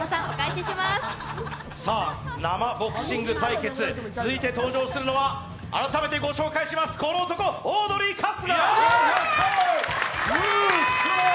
さあ生ボクシング対決、続いて登場するのは改めてご紹介します、この男、オードリー・春日！